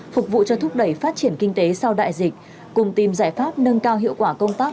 phục vụ cho thúc đẩy phát triển kinh tế sau đại dịch cùng tìm giải pháp nâng cao hiệu quả công tác